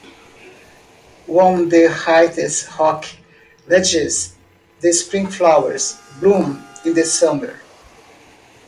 On the highest rocky ledges the spring flowers bloom in the summer.